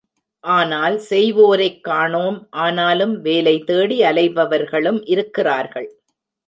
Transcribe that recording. ஆனால் செய்வோரைக் காணோம் ஆனாலும் வேலை தேடி அலைபவர்களும் இருக்கிறார்கள்.